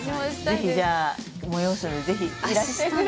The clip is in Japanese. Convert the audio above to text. ぜひじゃあ催すのでぜひいらしてください。